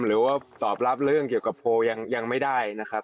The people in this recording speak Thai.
หรือว่าตอบรับเรื่องเกี่ยวกับโพลยังไม่ได้นะครับ